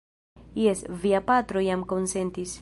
Jes, via patro jam konsentis.